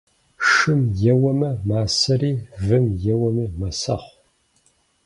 Шым еуэмэ масэри, вым еуэмэ мэсэхъу.